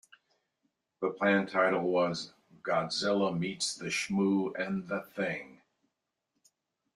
The planned title was "Godzilla Meets the Shmoo and The Thing".